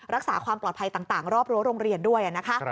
รักษาความปลอดภัยต่างรอบรั้วโรงเรียนด้วยนะคะ